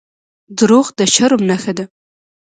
• دروغ د شرم نښه ده.